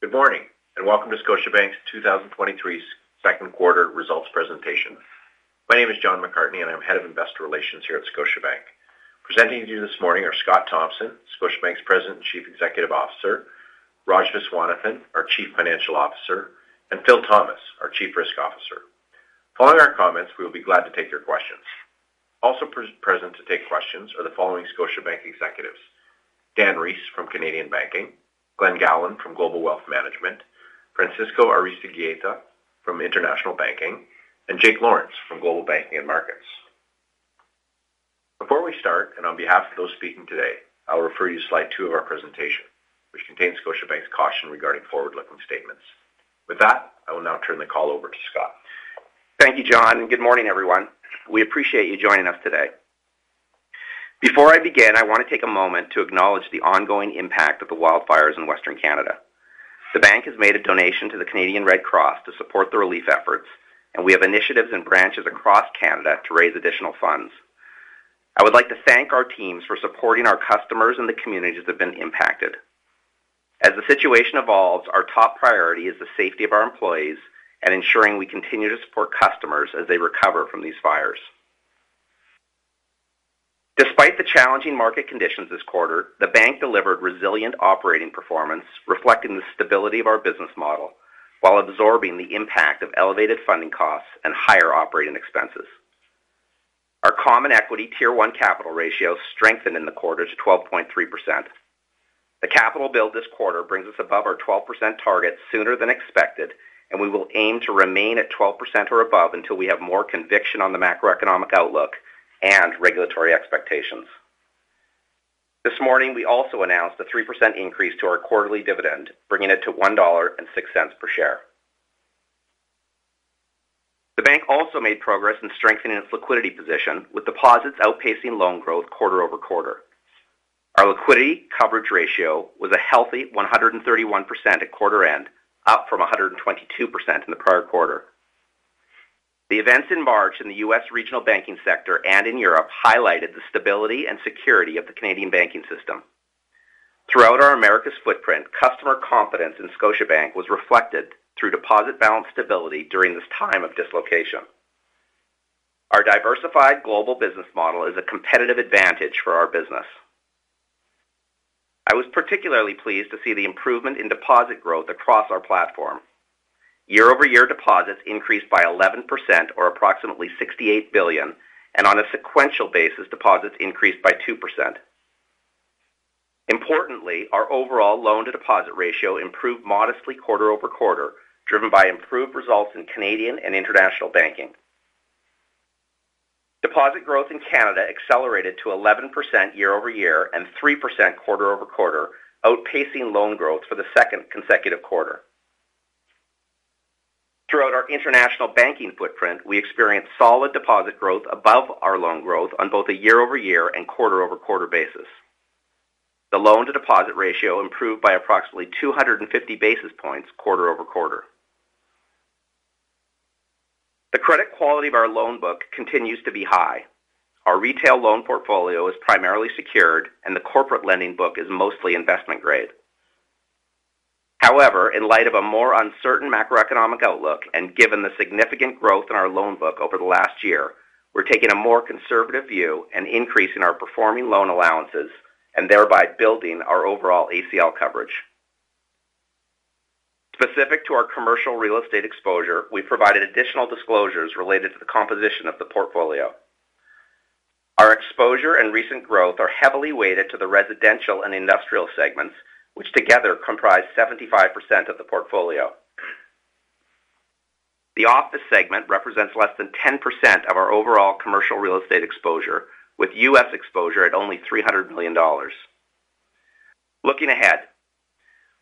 Good morning, welcome to Scotiabank's 2023 second quarter results presentation. My name is John McCartney, and I'm Head of Investor Relations here at Scotiabank. Presenting to you this morning are Scott Thomson, Scotiabank's President and Chief Executive Officer, Raj Viswanathan, our Chief Financial Officer, and Phil Thomas, our Chief Risk Officer. Following our comments, we will be glad to take your questions. Also present to take questions are the following Scotiabank executives: Dan Rees from Canadian Banking, Glen Gowland from Global Wealth Management, Francisco Aristeguieta from International Banking, and Jake Lawrence from Global Banking and Markets. Before we start, and on behalf of those speaking today, I'll refer you to slide two of our presentation, which contains Scotiabank's caution regarding forward-looking statements. With that, I will now turn the call over to Scott. Thank you, John, and good morning, everyone. We appreciate you joining us today. Before I begin, I wanna take a moment to acknowledge the ongoing impact of the wildfires in Western Canada. The bank has made a donation to the Canadian Red Cross to support the relief efforts, and we have initiatives and branches across Canada to raise additional funds. I would like to thank our teams for supporting our customers and the communities that have been impacted. As the situation evolves, our top priority is the safety of our employees and ensuring we continue to support customers as they recover from these fires. Despite the challenging market conditions this quarter, the bank delivered resilient operating performance, reflecting the stability of our business model while absorbing the impact of elevated funding costs and higher operating expenses. Our common equity Tier 1 capital ratio strengthened in the quarter to 12.3%. The capital build this quarter brings us above our 12% target sooner than expected, and we will aim to remain at 12% or above until we have more conviction on the macroeconomic outlook and regulatory expectations. This morning, we also announced a 3% increase to our quarterly dividend, bringing it to 1.06 dollar per share. The bank also made progress in strengthening its liquidity position, with deposits outpacing loan growth quarter-over-quarter. Our liquidity coverage ratio was a healthy 131% at quarter end, up from 122% in the prior quarter. The events in March in the U.S. regional banking sector and in Europe highlighted the stability and security of the Canadian banking system. Throughout our Americas footprint, customer confidence in Scotiabank was reflected through deposit balance stability during this time of dislocation. Our diversified global business model is a competitive advantage for our business. I was particularly pleased to see the improvement in deposit growth across our platform. Year-over-year deposits increased by 11% or approximately 68 billion, and on a sequential basis, deposits increased by 2%. Importantly, our overall loan-to-deposit ratio improved modestly quarter-over-quarter, driven by improved results in Canadian Banking and International Banking. Deposit growth in Canada accelerated to 11% year-over-year and 3% quarter-over-quarter, outpacing loan growth for the second consecutive quarter. Throughout our International Banking footprint, we experienced solid deposit growth above our loan growth on both a year-over-year and quarter-over-quarter basis. The loan-to-deposit ratio improved by approximately 250 basis points quarter-over-quarter. The credit quality of our loan book continues to be high. Our retail loan portfolio is primarily secured, and the corporate lending book is mostly investment grade. In light of a more uncertain macroeconomic outlook and given the significant growth in our loan book over the last year, we're taking a more conservative view and increasing our performing loan allowances and thereby building our overall ACL coverage. Specific to our commercial real estate exposure, we provided additional disclosures related to the composition of the portfolio. Our exposure and recent growth are heavily weighted to the residential and industrial segments, which together comprise 75% of the portfolio. The office segment represents less than 10% of our overall commercial real estate exposure, with U.S. exposure at only 300 million dollars. Looking ahead,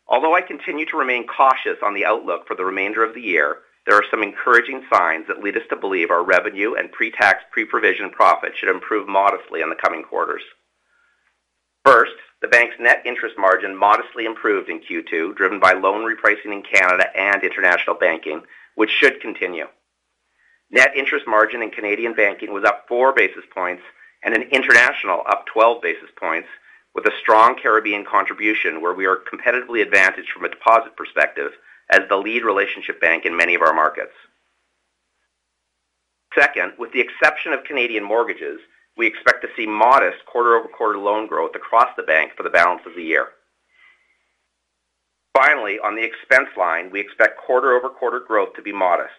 although I continue to remain cautious on the outlook for the remainder of the year, there are some encouraging signs that lead us to believe our revenue and pre-tax pre-provision profits should improve modestly in the coming quarters. First, the bank's net interest margin modestly improved in Q2, driven by loan repricing in Canada and International Banking, which should continue. Net interest margin in Canadian Banking was up 4 basis points and in international, up 12 basis points with a strong Caribbean contribution where we are competitively advantaged from a deposit perspective as the lead relationship bank in many of our markets. Second, with the exception of Canadian mortgages, we expect to see modest quarter-over-quarter loan growth across the bank for the balance of the year. Finally, on the expense line, we expect quarter-over-quarter growth to be modest.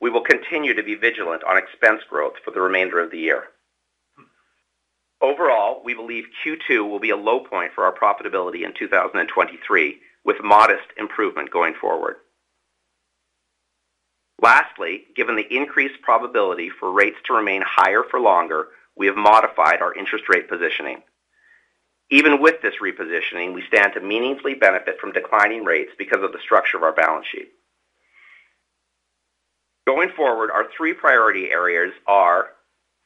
We will continue to be vigilant on expense growth for the remainder of the year. Overall, we believe Q2 will be a low point for our profitability in 2023, with modest improvement going forward. Lastly, given the increased probability for rates to remain higher for longer, we have modified our interest rate positioning. Even with this repositioning, we stand to meaningfully benefit from declining rates because of the structure of our balance sheet. Going forward, our three priority areas are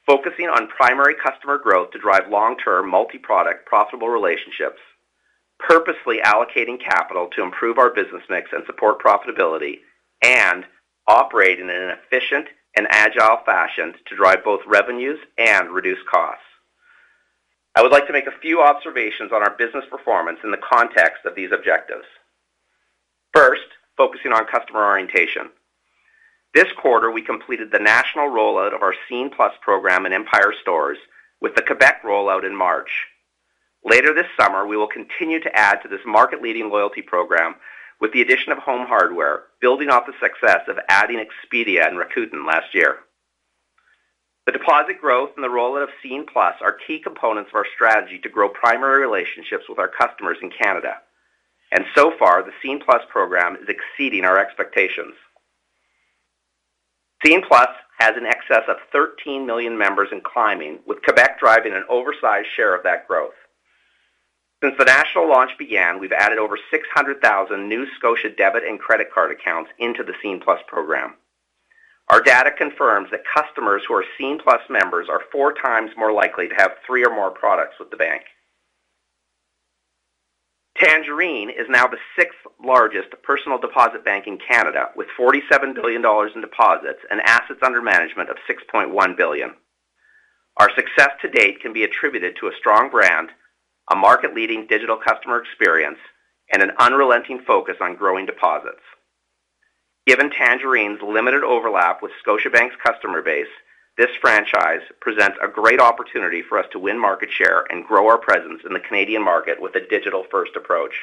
focusing on primary customer growth to drive long-term multi-product profitable relationships, purposely allocating capital to improve our business mix and support profitability, and operating in an efficient and agile fashion to drive both revenues and reduce costs. I would like to make a few observations on our business performance in the context of these objectives. First, focusing on customer orientation. This quarter, we completed the national rollout of our Scene+ program in Empire Stores with the Quebec rollout in March. Later this summer, we will continue to add to this market-leading loyalty program with the addition of Home Hardware, building off the success of adding Expedia and Rakuten last year. The deposit growth and the rollout of Scene+ are key components of our strategy to grow primary relationships with our customers in Canada. So far, the Scene+ program is exceeding our expectations. Scene+ has in excess of 13 million members and climbing, with Quebec driving an oversized share of that growth. Since the national launch began, we've added over 600,000 new Scotia debit and credit card accounts into the Scene+ program. Our data confirms that customers who are Scene+ members are four times more likely to have three or more products with the bank. Tangerine is now the sixth-largest personal deposit bank in Canada, with 47 billion dollars in deposits and assets under management of 6.1 billion. Our success to date can be attributed to a strong brand, a market-leading digital customer experience, and an unrelenting focus on growing deposits. Given Tangerine's limited overlap with Scotiabank's customer base, this franchise presents a great opportunity for us to win market share and grow our presence in the Canadian market with a digital-first approach.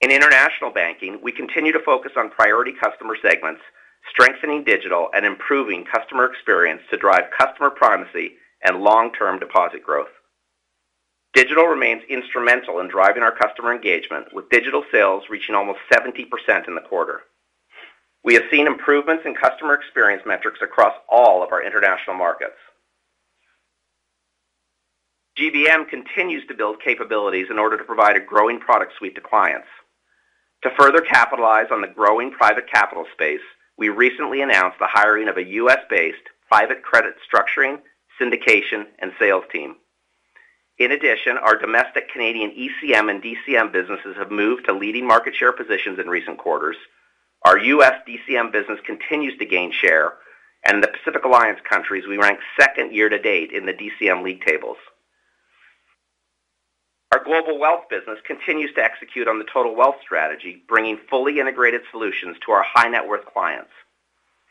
In International Banking, we continue to focus on priority customer segments, strengthening digital and improving customer experience to drive customer primacy and long-term deposit growth. Digital remains instrumental in driving our customer engagement, with digital sales reaching almost 70% in the quarter. We have seen improvements in customer experience metrics across all of our international markets. GBM continues to build capabilities in order to provide a growing product suite to clients. To further capitalize on the growing private capital space, we recently announced the hiring of a U.S.-based private credit structuring, syndication, and sales team. In addition, our domestic Canadian ECM and DCM businesses have moved to leading market share positions in recent quarters. Our U.S. DCM business continues to gain share, and in the Pacific Alliance countries, we rank second year-to-date in the DCM league tables. Our Global Wealth business continues to execute on the total wealth strategy, bringing fully integrated solutions to our high-net-worth clients.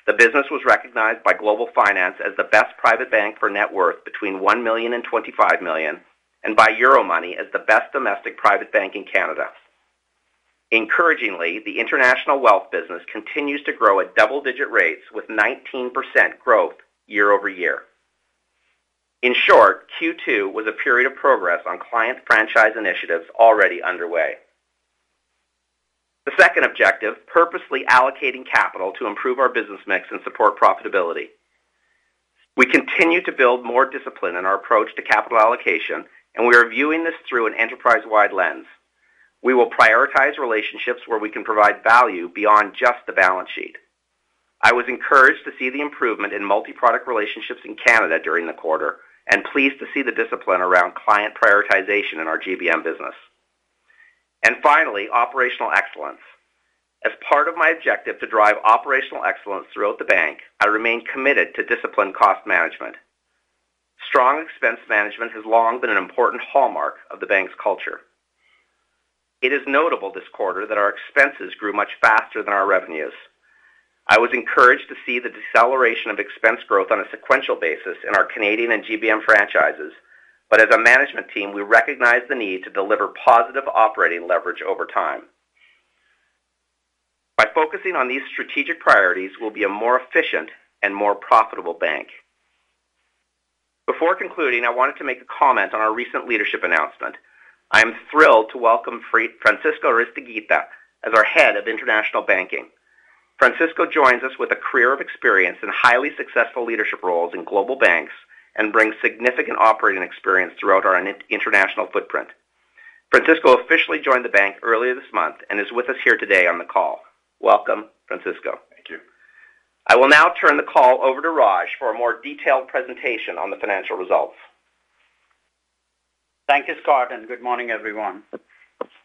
The business was recognized by Global Finance as the best private bank for net worth between 1 million and 25 million and by Euromoney as the best domestic private bank in Canada. Encouragingly, the international wealth business continues to grow at double-digit rates with 19% growth year-over-year. In short, Q2 was a period of progress on client franchise initiatives already underway. The second objective, purposely allocating capital to improve our business mix and support profitability. We continue to build more discipline in our approach to capital allocation. We are viewing this through an enterprise-wide lens. We will prioritize relationships where we can provide value beyond just the balance sheet. I was encouraged to see the improvement in multi-product relationships in Canada during the quarter and pleased to see the discipline around client prioritization in our GBM business. Finally, operational excellence. As part of my objective to drive operational excellence throughout the bank, I remain committed to disciplined cost management. Strong expense management has long been an important hallmark of the bank's culture. It is notable this quarter that our expenses grew much faster than our revenues. I was encouraged to see the deceleration of expense growth on a sequential basis in our Canadian and GBM franchises. As a management team, we recognize the need to deliver positive operating leverage over time. By focusing on these strategic priorities, we'll be a more efficient and more profitable bank. Before concluding, I wanted to make a comment on our recent leadership announcement. I am thrilled to welcome Francisco Aristeguieta as our head of International Banking. Francisco joins us with a career of experience in highly successful leadership roles in global banks and brings significant operating experience throughout our international footprint. Francisco officially joined the bank earlier this month and is with us here today on the call. Welcome, Francisco. Thank you. I will now turn the call over to Raj for a more detailed presentation on the financial results. Thank you, Scott, and good morning, everyone.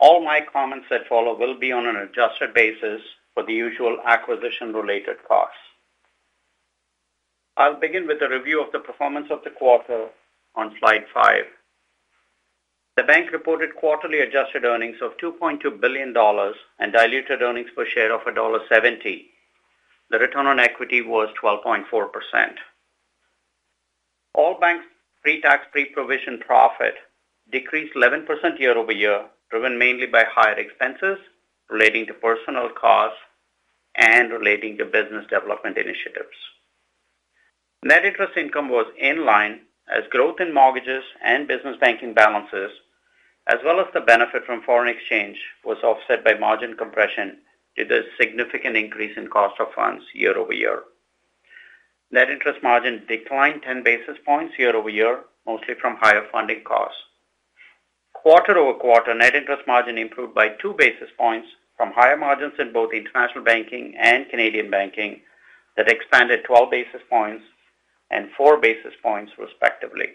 All my comments that follow will be on an adjusted basis for the usual acquisition-related costs. I'll begin with a review of the performance of the quarter on slide five. The bank reported quarterly adjusted earnings of 2.2 billion dollars and diluted earnings per share of dollar 1.70. The return on equity was 12.4%. All banks' pre-tax, pre-provision profit decreased 11% year-over-year, driven mainly by higher expenses relating to personal costs and relating to business development initiatives. Net interest income was in line as growth in mortgages and business banking balances, as well as the benefit from foreign exchange, was offset by margin compression due to a significant increase in cost of funds year-over-year. Net interest margin declined 10 basis points year-over-year, mostly from higher funding costs. Quarter-over-quarter, net interest margin improved by 2 basis points from higher margins in both International Banking and Canadian Banking that expanded 12 basis points and 4 basis points, respectively.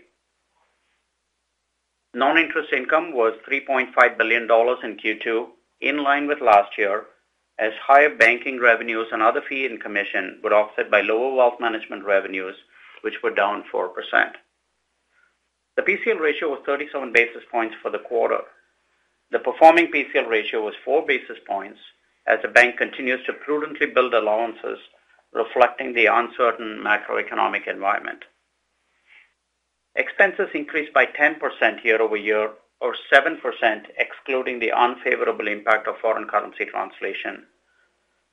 Non-interest income was 3.5 billion dollars in Q2, in line with last year, as higher banking revenues and other fee and commission were offset by lower Wealth Management revenues, which were down 4%. The PCL ratio was 37 basis points for the quarter. The performing PCL ratio was 4 basis points as the bank continues to prudently build allowances, reflecting the uncertain macroeconomic environment. Expenses increased by 10% year-over-year or 7% excluding the unfavorable impact of foreign currency translation,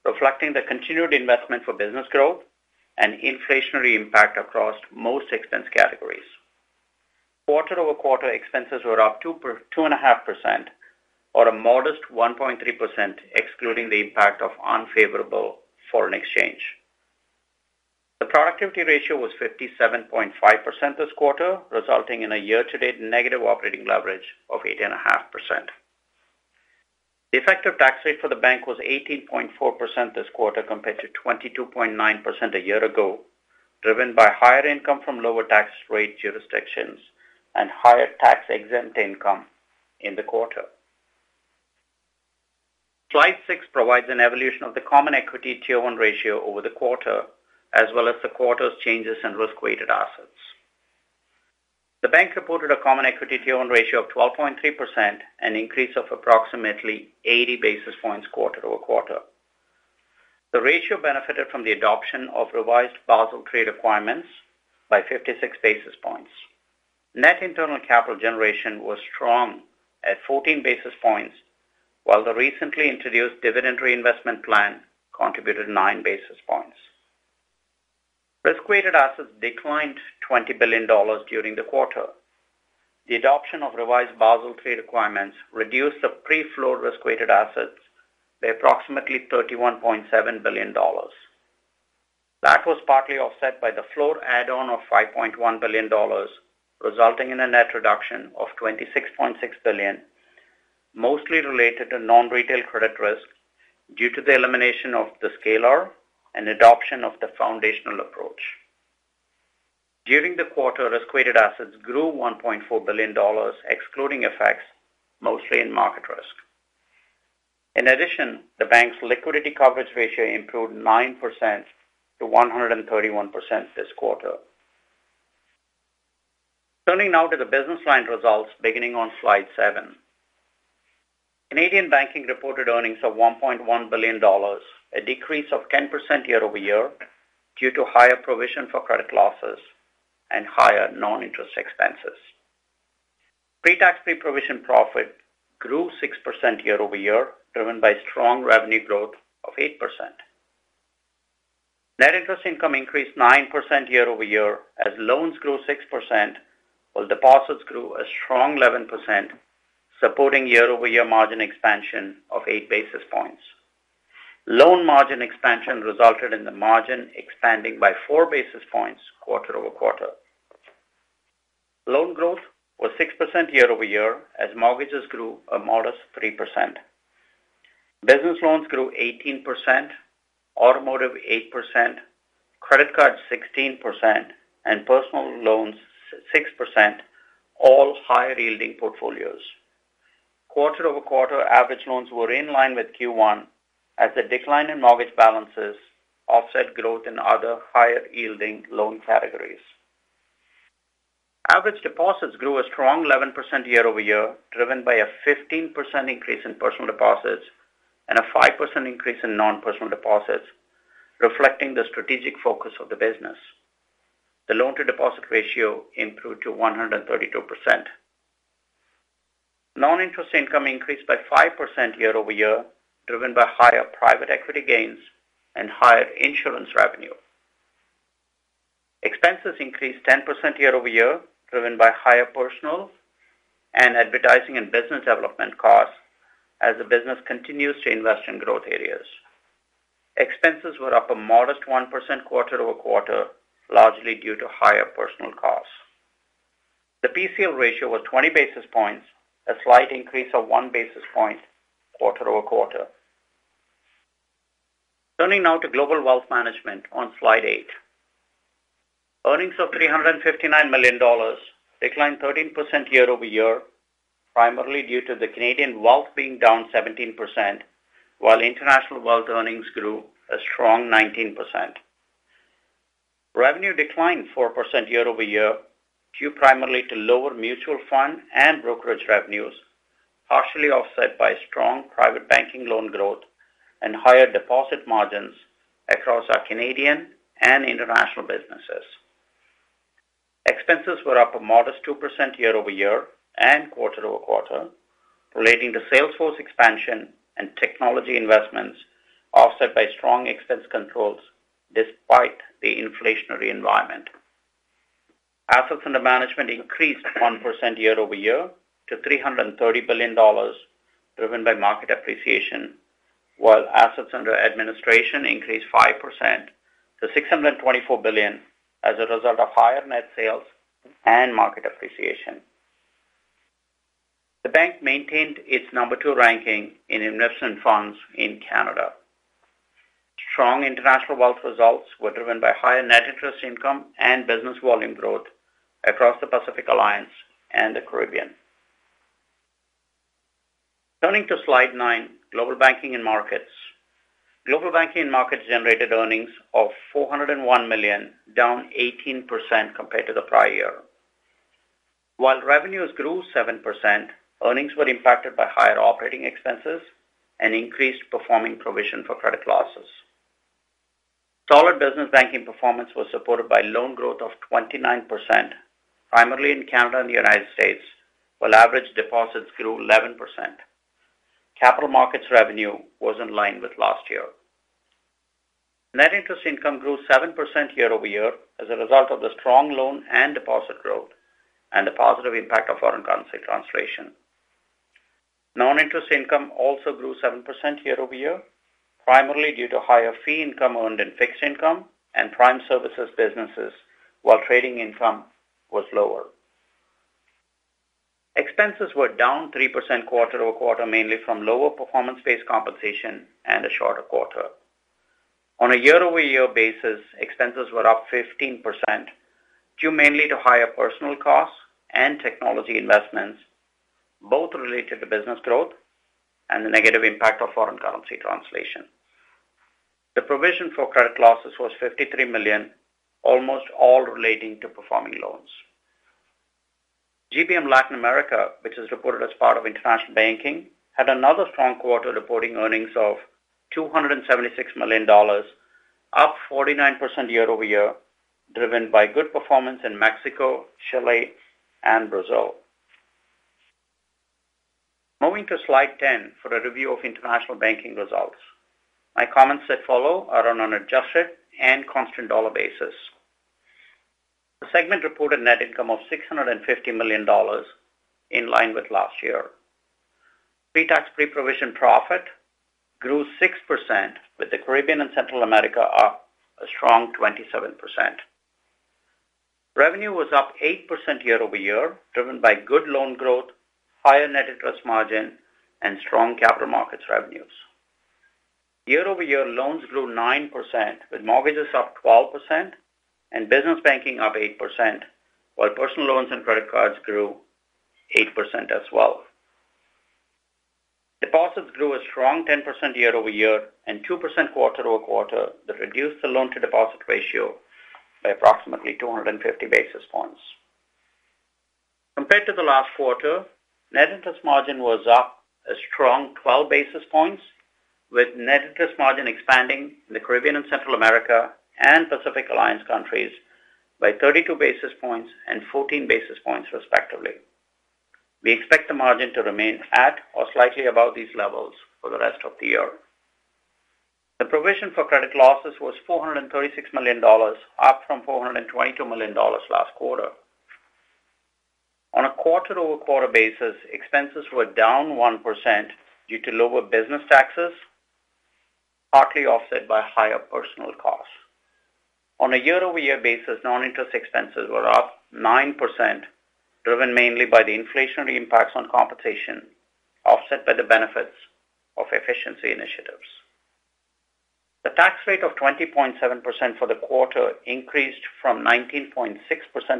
reflecting the continued investment for business growth and inflationary impact across most expense categories. Quarter-over-quarter expenses were up 2.5% or a modest 1.3% excluding the impact of unfavorable foreign exchange. The productivity ratio was 57.5% this quarter, resulting in a year-to-date negative operating leverage of 8.5%. The effective tax rate for the bank was 18.4% this quarter, compared to 22.9% a year ago, driven by higher income from lower tax rate jurisdictions and higher tax-exempt income in the quarter. Slide 6 provides an evolution of the Common Equity Tier 1 ratio over the quarter as well as the quarter's changes in risk-weighted assets. The bank reported a Common Equity Tier 1 ratio of 12.3%, an increase of approximately 80 basis points quarter-over-quarter. The ratio benefited from the adoption of revised Basel III requirements by 56 basis points. Net internal capital generation was strong at 14 basis points, while the recently introduced dividend reinvestment plan contributed 9 basis points. Risk-weighted assets declined 20 billion dollars during the quarter. The adoption of revised Basel III requirements reduced the pre-floor risk-weighted assets by approximately 31.7 billion dollars. That was partly offset by the floor add-on of 5.1 billion dollars, resulting in a net reduction of 26.6 billion, mostly related to non-retail credit risk due to the elimination of the scalar and adoption of the Foundational Approach. During the quarter, risk-weighted assets grew 1.4 billion dollars excluding effects, mostly in market risk. In addition, the bank's liquidity coverage ratio improved 9% to 131% this quarter. Turning now to the business line results beginning on slide seven. Canadian Banking reported earnings of 1.1 billion dollars, a decrease of 10% year-over-year due to higher provision for credit losses and higher non-interest expenses. Pretax pre-provision profit grew 6% year-over-year, driven by strong revenue growth of 8%. Net interest income increased 9% year-over-year as loans grew 6%, while deposits grew a strong 11%, supporting year-over-year margin expansion of 8 basis points. Loan margin expansion resulted in the margin expanding by 4 basis points quarter-over-quarter. Loan growth was 6% year-over-year as mortgages grew a modest 3%. Business loans grew 18%, automotive 8%, credit cards 16%, and personal loans 6%, all higher-yielding portfolios. Quarter-over-quarter, average loans were in line with Q1 as the decline in mortgage balances offset growth in other higher-yielding loan categories. Average deposits grew a strong 11% year-over-year, driven by a 15% increase in personal deposits and a 5% increase in non-personal deposits, reflecting the strategic focus of the business. The loan-to-deposit ratio improved to 132%. Non-interest income increased by 5% year-over-year, driven by higher private equity gains and higher insurance revenue. Expenses increased 10% year-over-year, driven by higher personal and advertising and business development costs as the business continues to invest in growth areas. Expenses were up a modest 1% quarter-over-quarter, largely due to higher personal costs. The PCL ratio was 20 basis points, a slight increase of 1 basis point quarter-over-quarter. Turning now to Global Wealth Management on slide eight. Earnings of $359 million declined 13% year-over-year, primarily due to the Canadian wealth being down 17%, while international wealth earnings grew a strong 19%. Revenue declined 4% year-over-year, due primarily to lower mutual fund and brokerage revenues, partially offset by strong private banking loan growth and higher deposit margins across our Canadian and international businesses. Expenses were up a modest 2% year-over-year and quarter-over-quarter relating to salesforce expansion and technology investments, offset by strong expense controls despite the inflationary environment. Assets under management increased 1% year-over-year to $330 billion driven by market appreciation, while assets under administration increased 5% to $624 billion as a result of higher net sales and market appreciation. The bank maintained its number two ranking in investment funds in Canada. Strong international wealth results were driven by higher net interest income and business volume growth across the Pacific Alliance and the Caribbean. Turning to slide nine, Global Banking and Markets. Global Banking and Markets generated earnings of 401 million, down 18% compared to the prior year. Revenues grew 7%, earnings were impacted by higher operating expenses and increased performing provision for credit losses. Solid business banking performance was supported by loan growth of 29%, primarily in Canada and the United States, while average deposits grew 11%. Capital markets revenue was in line with last year. Net interest income grew 7% year-over-year as a result of the strong loan and deposit growth and the positive impact of foreign currency translation. Non-interest income also grew 7% year-over-year, primarily due to higher fee income earned in fixed income and prime services businesses while trading income was lower. Expenses were down 3% quarter-over-quarter, mainly from lower performance-based compensation and a shorter quarter. On a year-over-year basis, expenses were up 15% due mainly to higher personal costs and technology investments, both related to business growth and the negative impact of foreign currency translation. The provision for credit losses was 53 million, almost all relating to performing loans. GBM Latin America, which is reported as part of International Banking, had another strong quarter reporting earnings of 276 million dollars, up 49% year-over-year, driven by good performance in Mexico, Chile, and Brazil. Moving to slide 10 for a review of International Banking results. My comments that follow are on an adjusted and constant dollar basis. The segment reported net income of 650 million dollars in line with last year. Pre-tax pre-provision profit grew 6%, with the Caribbean and Central America up a strong 27%. Revenue was up 8% year-over-year, driven by good loan growth, higher net interest margin, and strong capital markets revenues. Year-over-year loans grew 9%, with mortgages up 12% and business banking up 8%, while personal loans and credit cards grew 8% as well. Deposits grew a strong 10% year-over-year and 2% quarter-over-quarter that reduced the loan to deposit ratio by approximately 250 basis points. Compared to the last quarter, net interest margin was up a strong 12 basis points, with net interest margin expanding in the Caribbean and Central America and Pacific Alliance countries by 32 basis points and 14 basis points, respectively. We expect the margin to remain at or slightly above these levels for the rest of the year. The provision for credit losses was 436 million dollars, up from 422 million dollars last quarter. On a quarter-over-quarter basis, expenses were down 1% due to lower business taxes, partly offset by higher personal costs. On a year-over-year basis, non-interest expenses were up 9%, driven mainly by the inflationary impacts on compensation, offset by the benefits of efficiency initiatives. The tax rate of 20.7% for the quarter increased from 19.6%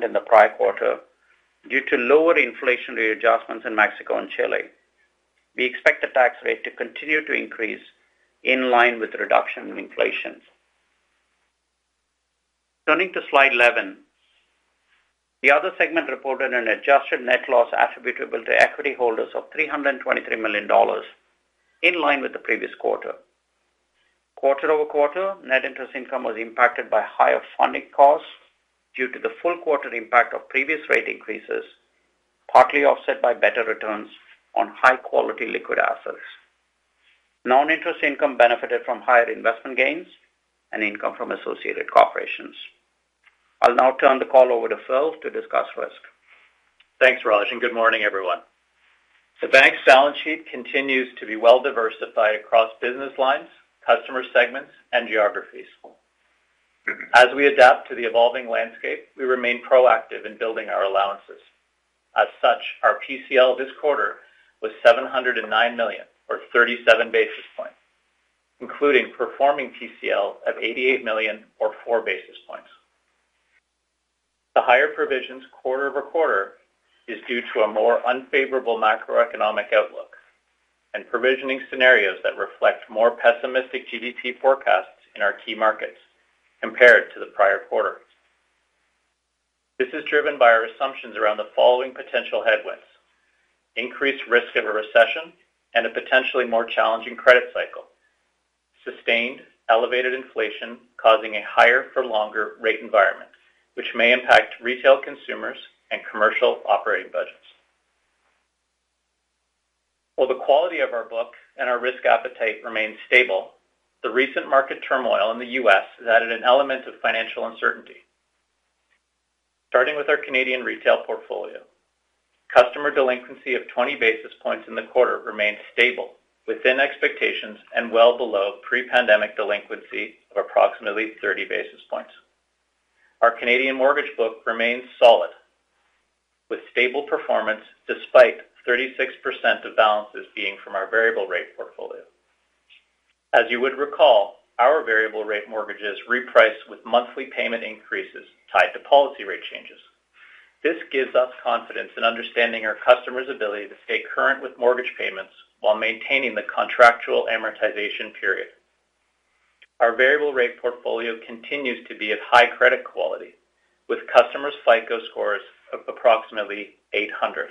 in the prior quarter due to lower inflationary adjustments in Mexico and Chile. We expect the tax rate to continue to increase in line with reduction in inflation. Turning to slide 11. The other segment reported an adjusted net loss attributable to equity holders of 323 million dollars in line with the previous quarter. Quarter-over-quarter, net interest income was impacted by higher funding costs due to the full quarter impact of previous rate increases, partly offset by better returns on high-quality liquid assets. Non-interest income benefited from higher investment gains and income from associated corporations. I'll now turn the call over to Phil to discuss risk. Thanks, Raj. Good morning, everyone. The bank's balance sheet continues to be well diversified across business lines, customer segments, and geographies. As we adapt to the evolving landscape, we remain proactive in building our allowances. As such, our PCL this quarter was 709 million or 37 basis points, including performing PCL of 88 million or 4 basis points. The higher provisions quarter-over-quarter is due to a more unfavorable macroeconomic outlook and provisioning scenarios that reflect more pessimistic GDP forecasts in our key markets compared to the prior quarter. This is driven by our assumptions around the following potential headwinds: increased risk of a recession and a potentially more challenging credit cycle, sustained elevated inflation causing a higher for longer rate environment, which may impact retail consumers and commercial operating budgets. While the quality of our book and our risk appetite remains stable, the recent market turmoil in the U.S. has added an element of financial uncertainty. Starting with our Canadian retail portfolio, customer delinquency of 20 basis points in the quarter remains stable within expectations and well below pre-pandemic delinquency of approximately 30 basis points. Our Canadian mortgage book remains solid with stable performance despite 36% of balances being from our variable rate portfolio. As you would recall, our variable rate mortgages reprice with monthly payment increases tied to policy rate changes. This gives us confidence in understanding our customers' ability to stay current with mortgage payments while maintaining the contractual amortization period. Our variable rate portfolio continues to be of high credit quality with customers' FICO scores of approximately 800.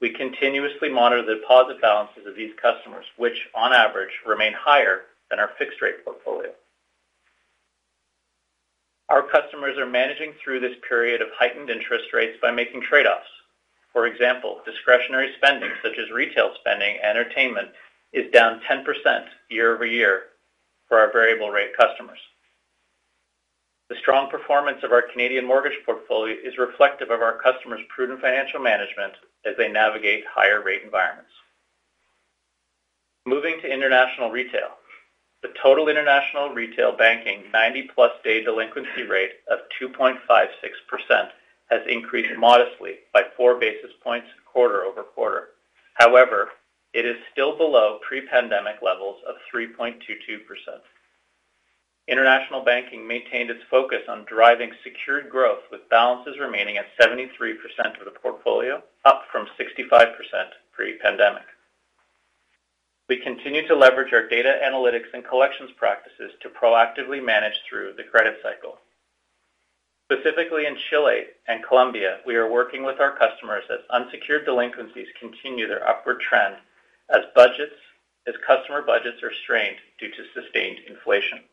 We continuously monitor the deposit balances of these customers, which on average remain higher than our fixed rate portfolio. Our customers are managing through this period of heightened interest rates by making trade-offs. For example, discretionary spending such as retail spending, entertainment is down 10% year-over-year for our variable rate customers. The strong performance of our Canadian mortgage portfolio is reflective of our customers' prudent financial management as they navigate higher rate environments. Moving to International retail. The total International retail banking 90-plus day delinquency rate of 2.56% has increased modestly by 4 basis points quarter-over-quarter. It is still below pre-pandemic levels of 3.22%. International Banking maintained its focus on driving secured growth with balances remaining at 73% of the portfolio, up from 65% pre-pandemic. We continue to leverage our data analytics and collections practices to proactively manage through the credit cycle. Specifically in Chile and Colombia, we are working with our customers as unsecured delinquencies continue their upward trend as customer budgets are strained due to sustained inflation.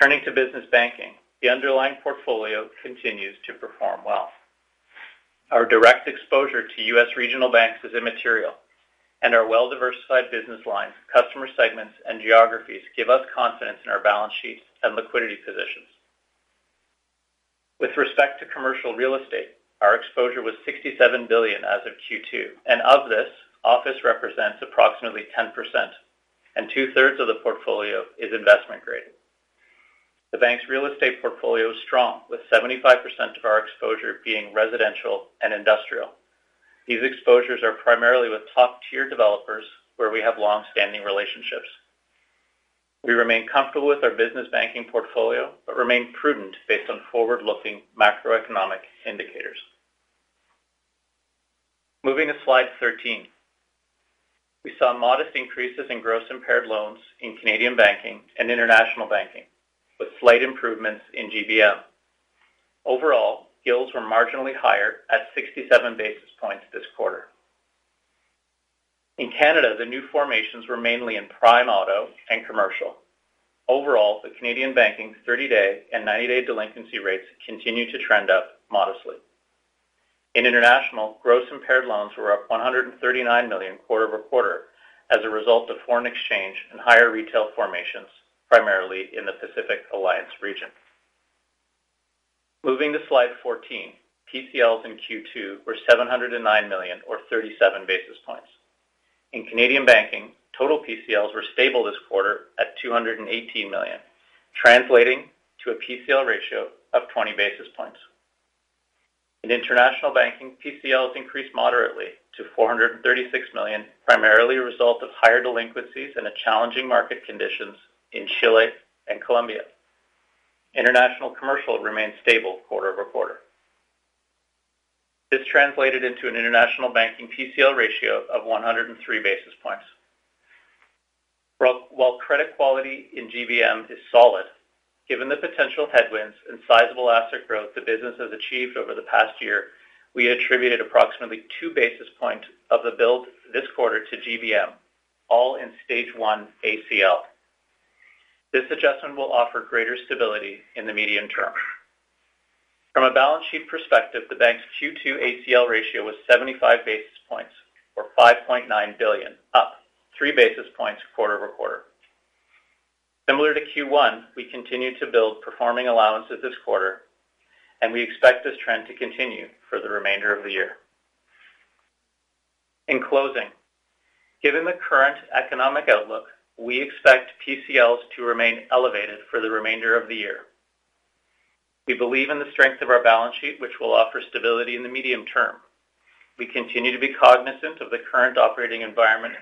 Turning to business banking, the underlying portfolio continues to perform well. Our direct exposure to U.S. regional banks is immaterial and our well-diversified business lines, customer segments, and geographies give us confidence in our balance sheets and liquidity positions. With respect to commercial real estate, our exposure was $67 billion as of Q2, and of this, office represents approximately 10% and two-thirds of the portfolio is investment grade. The bank's real estate portfolio is strong, with 75% of our exposure being residential and industrial. These exposures are primarily with top-tier developers where we have long-standing relationships. We remain comfortable with our business banking portfolio, but remain prudent based on forward-looking macroeconomic indicators. Moving to slide 13. We saw modest increases in gross impaired loans in Canadian Banking and International Banking, with slight improvements in GBM. Overall, yields were marginally higher at 67 basis points this quarter. In Canada, the new formations were mainly in prime auto and commercial. Overall, the Canadian Banking 30-day and 90-day delinquency rates continue to trend up modestly. In International, gross impaired loans were up $139 million quarter-over-quarter as a result of foreign exchange and higher retail formations, primarily in the Pacific Alliance region. Moving to slide 14. PCLs in Q2 were $709 million or 37 basis points. In Canadian Banking, total PCLs were stable this quarter at $218 million, translating to a PCL ratio of 20 basis points. In International Banking, PCLs increased moderately to 436 million, primarily a result of higher delinquencies and the challenging market conditions in Chile and Colombia. International Commercial remained stable quarter-over-quarter. This translated into an International Banking PCL ratio of 103 basis points. While credit quality in GBM is solid, given the potential headwinds and sizable asset growth the business has achieved over the past year, we attributed approximately 2 basis points of the build this quarter to GBM, all in stage one ACL. This adjustment will offer greater stability in the medium term. From a balance sheet perspective, the bank's Q2 ACL ratio was 75 basis points or 5.9 billion, up 3 basis points quarter-over-quarter. Similar to Q1, we continued to build performing allowances this quarter, and we expect this trend to continue for the remainder of the year. In closing, given the current economic outlook, we expect PCLs to remain elevated for the remainder of the year. We believe in the strength of our balance sheet, which will offer stability in the medium term. We continue to be cognizant of the current operating environment,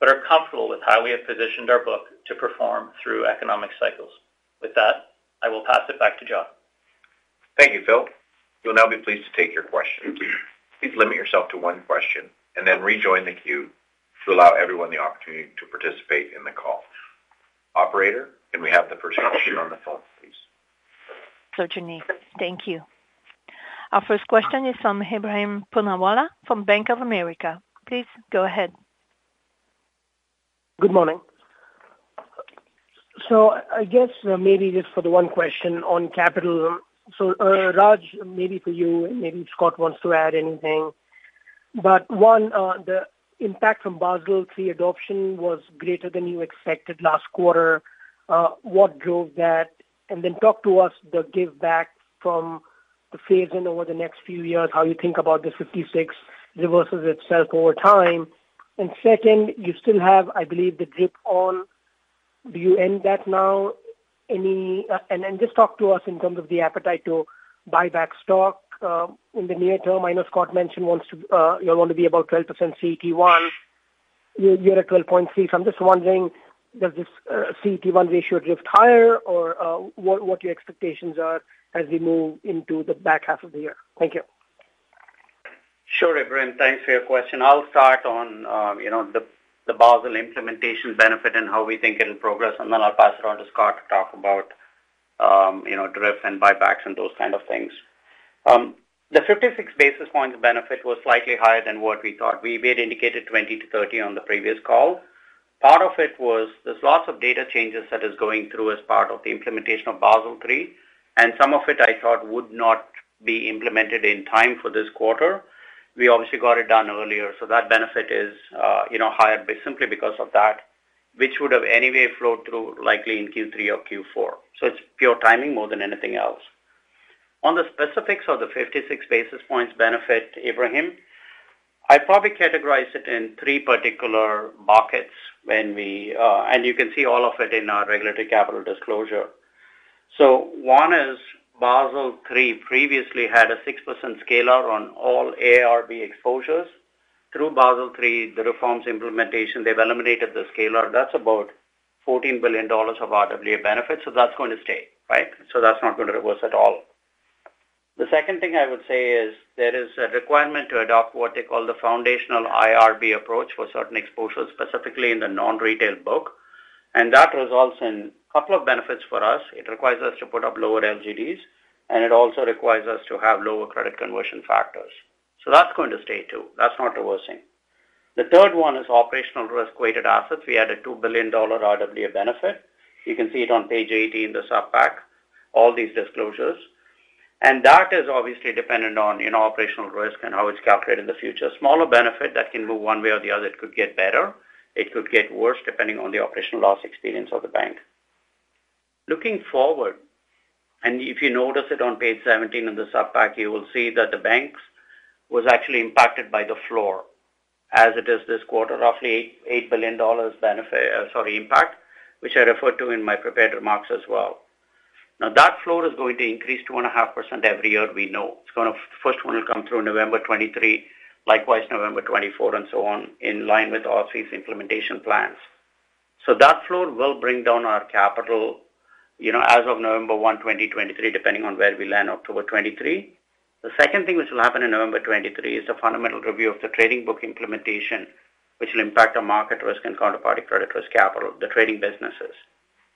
but are comfortable with how we have positioned our book to perform through economic cycles. With that, I will pass it back to John. Thank you, Phil. We'll now be pleased to take your questions. Please limit yourself to one question and then rejoin the queue to allow everyone the opportunity to participate in the call. Operator, can we have the first question on the phone, please? Sure, John. Thank you. Our first question is from Ebrahim Poonawala from Bank of America. Please go ahead. Good morning. I guess maybe just for the one question on capital. Raj, maybe for you, and maybe Scott wants to add anything. One, the impact from Basel III adoption was greater than you expected last quarter. What drove that? Then talk to us the giveback from the phase in over the next few years, how you think about the 56 reverses itself over time. Second, you still have, I believe, the DRIP on. Do you end that now? Then just talk to us in terms of the appetite to buy back stock in the near term. I know Scott mentioned you'll want to be about 12% CET1. You're at 12.6%. I'm just wondering does this, CET1 ratio drift higher or, what your expectations are as we move into the back half of the year? Thank you. Sure, Ebrahim. Thanks for your question. I'll start on, you know, the Basel implementation benefit and how we think it'll progress, and then I'll pass it on to Scott to talk about, you know, DRIP and buybacks and those kind of things. The 56 basis points benefit was slightly higher than what we thought. We had indicated 20-30 basis points on the previous call. Part of it was there's lots of data changes that is going through as part of the implementation of Basel III, and some of it I thought would not be implemented in time for this quarter. We obviously got it done earlier, so that benefit is, you know, higher simply because of that, which would have anyway flowed through likely in Q3 or Q4. It's pure timing more than anything else. On the specifics of the 56 basis points benefit, Ebrahim, I'd probably categorize it in three particular markets when you can see all of it in our regulatory capital disclosure. One is Basel III previously had a 6% scalar on all IRB exposures. Through Basel III, the reforms implementation, they've eliminated the scalar. That's about 14 billion dollars of RWA benefit, that's going to stay, right? That's not going to reverse at all. The second thing I would say is there is a requirement to adopt what they call the foundational IRB approach for certain exposures, specifically in the non-retail book. That results in couple of benefits for us. It requires us to put up lower LGDs, it also requires us to have lower credit conversion factors. That's going to stay, too. That's not reversing. The third one is operational risk-weighted assets. We had a 2 billion dollar RWA benefit. You can see it on page 18, the sup pack, all these disclosures. That is obviously dependent on, you know, operational risk and how it's calculated in the future. Smaller benefit that can move one way or the other. It could get better, it could get worse, depending on the operational loss experience of the bank. Looking forward, and if you notice it on page 17 in the sup pack, you will see that the banks was actually impacted by the floor as it is this quarter, roughly 8 billion dollars sorry, impact, which I referred to in my prepared remarks as well. That floor is going to increase 2.5% every year, we know. It's gonna first one will come through November 23, likewise November 24 and so on, in line with OSFI's implementation plans. That floor will bring down our capital, you know, as of November 1, 2023, depending on where we land October 23. The second thing which will happen in November 23 is the Fundamental Review of the Trading Book implementation, which will impact our market risk and counterparty credit risk capital, the trading businesses.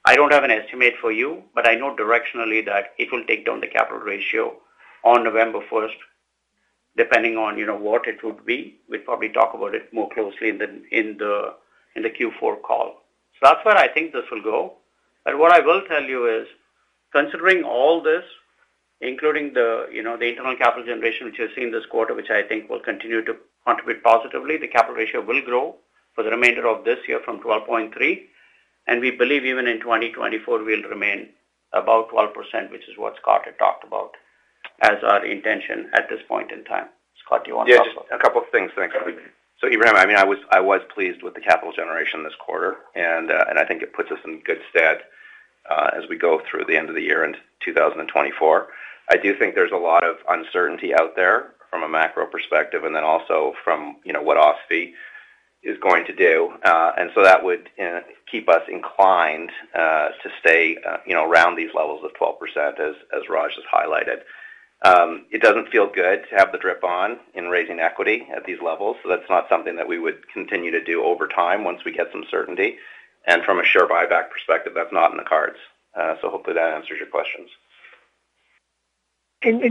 I don't have an estimate for you, but I know directionally that it will take down the capital ratio on November 1st, depending on, you know, what it would be. We'd probably talk about it more closely in the Q4 call. That's where I think this will go. What I will tell you is considering all this, including the, you know, the internal capital generation which you've seen this quarter, which I think will continue to contribute positively, the capital ratio will grow for the remainder of this year from 12.3. We believe even in 2024 we'll remain above 12%, which is what Scott had talked about as our intention at this point in time. Scott, do you want to talk about. Yeah, just a couple of things. Thanks, Ebrahim. I mean, I was pleased with the capital generation this quarter, and I think it puts us in good stead as we go through the end of the year into 2024. I do think there's a lot of uncertainty out there from a macro perspective and then also from, you know, what OSFI is going to do. That would keep us inclined to stay, you know, around these levels of 12% as Raj has highlighted. It doesn't feel good to have the DRIP on in raising equity at these levels, so that's not something that we would continue to do over time once we get some certainty. From a share buyback perspective, that's not in the cards. Hopefully that answers your questions.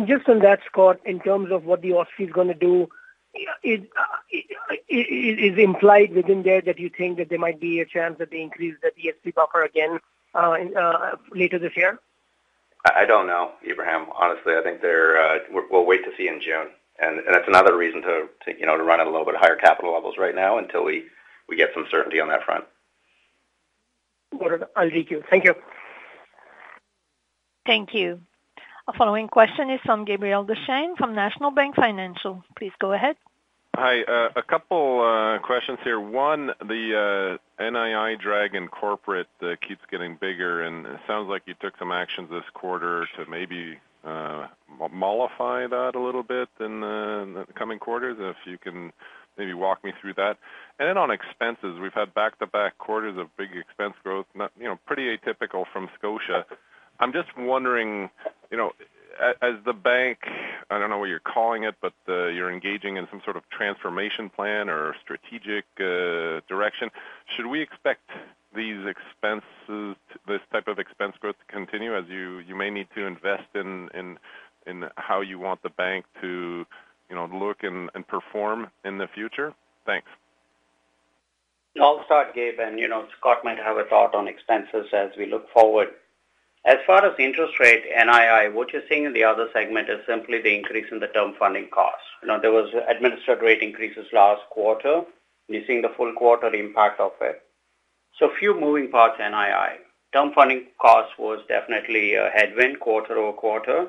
Just on that, Scott, in terms of what the OSFI is gonna do, it is implied within there that you think that there might be a chance that they increase the DSB buffer again, later this year? I don't know, Ebrahim. Honestly, I think they're. We'll wait to see in June. That's another reason to, you know, to run at a little bit higher capital levels right now until we get some certainty on that front. Noted. I'll take you. Thank you. Thank you. Our following question is from Gabriel Dechaine from National Bank Financial. Please go ahead. Hi. A couple questions here. One, the NII drag in corporate keeps getting bigger, and it sounds like you took some actions this quarter to maybe mollify that a little bit in the coming quarters. If you can maybe walk me through that. On expenses, we've had back-to-back quarters of big expense growth, you know, pretty atypical from Scotia. I'm just wondering, you know, as the bank, I don't know what you're calling it, but you're engaging in some sort of transformation plan or strategic direction. Should we expect these expenses, this type of expense growth to continue as you may need to invest in how you want the bank to, you know, look and perform in the future? Thanks. I'll start, Gabe. You know, Scott might have a thought on expenses as we look forward. As far as the interest rate NII, what you're seeing in the other segment is simply the increase in the term funding costs. You know, there was administered rate increases last quarter. You're seeing the full quarter impact of it. Few moving parts NII. Term funding cost was definitely a headwind quarter-over-quarter.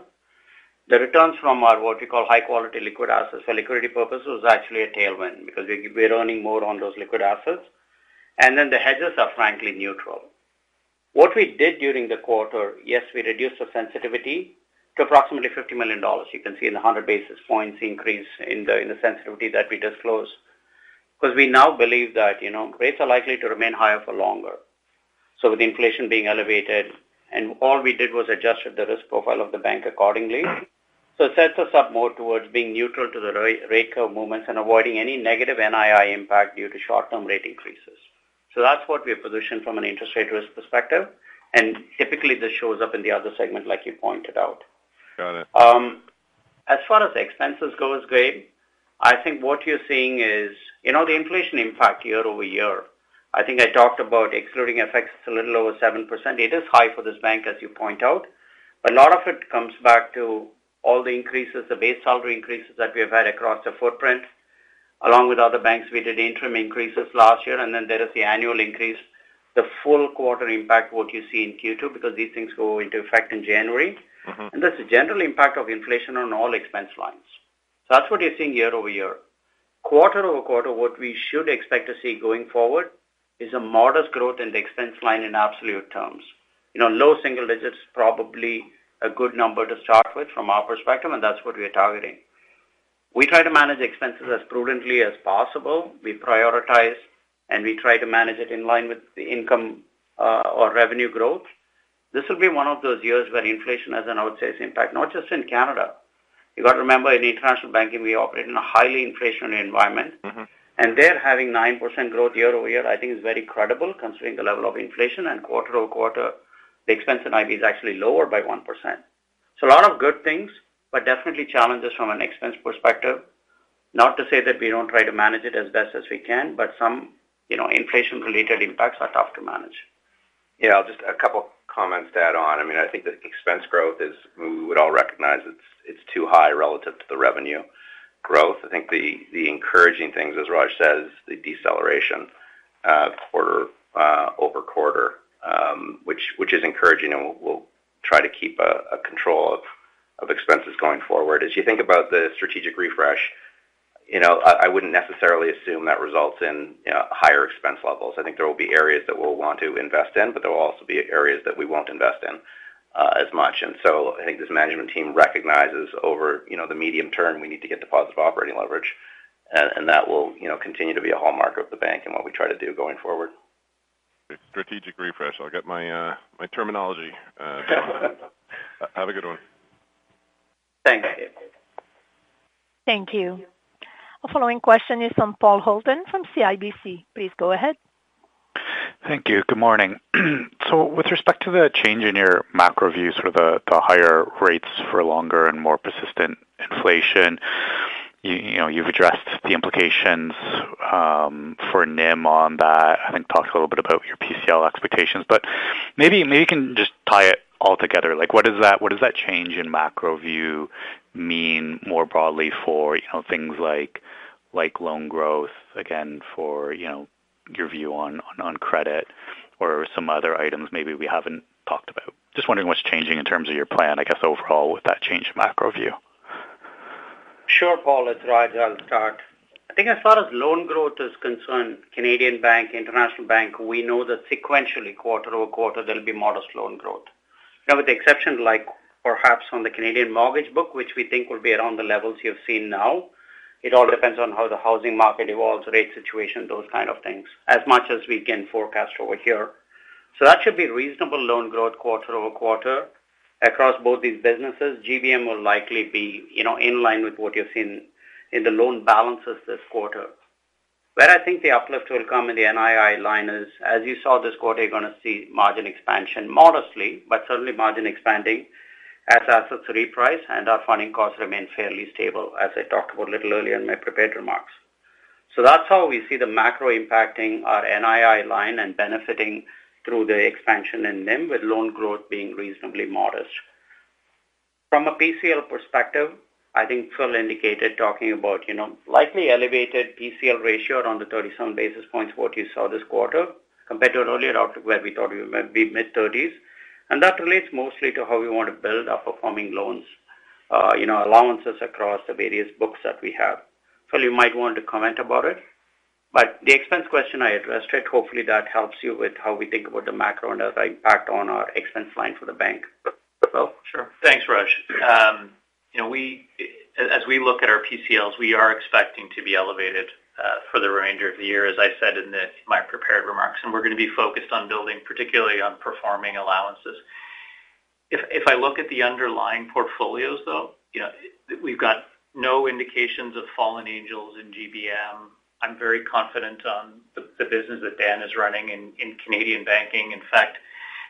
The returns from our what we call high quality liquid assets for liquidity purposes was actually a tailwind because we're earning more on those liquid assets. Then the hedges are frankly neutral. What we did during the quarter, yes, we reduced the sensitivity to approximately 50 million dollars. You can see in the 100 basis points increase in the sensitivity that we disclose because we now believe that, you know, rates are likely to remain higher for longer. With inflation being elevated and all we did was adjusted the risk profile of the bank accordingly. It sets us up more towards being neutral to the rate curve movements and avoiding any negative NII impact due to short term rate increases. That's what we have positioned from an interest rate risk perspective, and typically this shows up in the other segment like you pointed out. Got it. As far as expenses goes, Gabe, I think what you're seeing is, you know, the inflation impact year-over-year. I think I talked about excluding effects is a little over 7%. It is high for this bank, as you point out. A lot of it comes back to all the increases, the base salary increases that we have had across the footprint along with other banks. We did interim increases last year, and then there is the annual increase, the full quarter impact, what you see in Q2, because these things go into effect in January. Mm-hmm. That's the general impact of inflation on all expense lines. That's what you're seeing year-over-year. Quarter-over-quarter what we should expect to see going forward is a modest growth in the expense line in absolute terms. You know, low single digits, probably a good number to start with from our perspective, and that's what we are targeting. We try to manage expenses as prudently as possible. We prioritize, and we try to manage it in line with the income or revenue growth. This will be one of those years where inflation has an outsized impact, not just in Canada. You got to remember, in International Banking, we operate in a highly inflationary environment. Mm-hmm. They're having 9% growth year-over-year, I think is very credible considering the level of inflation and quarter-over-quarter, the expense in IB is actually lower by 1%. A lot of good things, but definitely challenges from an expense perspective. Not to say that we don't try to manage it as best as we can, but some, you know, inflation related impacts are tough to manage. Yeah, just a couple comments to add on. I mean, I think the expense growth is we would all recognize it's too high relative to the revenue growth. I think the encouraging things, as Raj says, the deceleration quarter-over-quarter, which is encouraging, and we'll try to keep a control of expenses going forward. As you think about the strategic refresh, you know, I wouldn't necessarily assume that results in, you know, higher expense levels. I think there will be areas that we'll want to invest in, but there will also be areas that we won't invest in as much. I think this management team recognizes over, you know, the medium term we need to get to positive operating leverage. That will, you know, continue to be a hallmark of the Bank and what we try to do going forward. Strategic refresh. I'll get my terminology down. Have a good one. Thanks. Thank you. The following question is from Paul Holden from CIBC. Please go ahead. Thank you. Good morning. With respect to the change in your macro view, sort of the higher rates for longer and more persistent inflation, you know, you've addressed the implications for NIM on that. I think talk a little bit about your PCL expectations, but maybe you can just tie it all together. Like what does that change in macro view mean more broadly for, you know, things like loan growth again for, you know, your view on credit or some other items maybe we haven't talked about? Just wondering what's changing in terms of your plan, I guess, overall with that change in macro view. Sure, Paul. It's Raj. I'll start. I think as far as loan growth is concerned, Canadian Banking, International Banking, we know that sequentially quarter-over-quarter there'll be modest loan growth. With the exception like perhaps on the Canadian mortgage book, which we think will be around the levels you've seen now, it all depends on how the housing market evolves, rate situation, those kind of things as much as we can forecast over here. That should be reasonable loan growth quarter-over-quarter across both these businesses. GBM will likely be, you know, in line with what you've seen in the loan balances this quarter. Where I think the uplift will come in the NII line is, as you saw this quarter, you're going to see margin expansion modestly, but certainly margin expanding as assets reprice and our funding costs remain fairly stable, as I talked about a little earlier in my prepared remarks. That's how we see the macro impacting our NII line and benefiting through the expansion in NIM with loan growth being reasonably modest. From a PCL perspective, I think Phil indicated talking about, you know, slightly elevated PCL ratio around the 37 basis points, what you saw this quarter compared to earlier October where we thought we would be mid-30s. That relates mostly to how we want to build our performing loans, you know, allowances across the various books that we have. Phil, you might want to comment about it, but the expense question I addressed it. Hopefully that helps you with how we think about the macro and as I impact on our expense line for the bank. Phil? Sure. Thanks, Raj. you know, we as we look at our PCLs, we are expecting to be elevated for the remainder of the year, as I said in my prepared remarks, and we're going to be focused on building, particularly on performing allowances. If I look at the underlying portfolios though, you know, we've got no indications of fallen angels in GBM. I'm very confident on the business that Dan is running in Canadian Banking. In fact, you